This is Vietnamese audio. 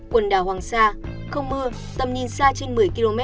quần đảo hoàng sa không mưa tầm nhìn xa trên một mươi km